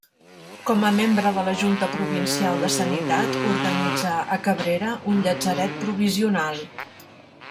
Com a membre de la Junta Provincial de Sanitat organitzà a Cabrera un llatzeret provisional.